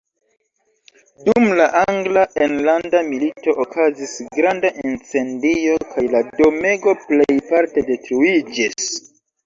Dum la angla enlanda milito okazis granda incendio, kaj la domego plejparte detruiĝis.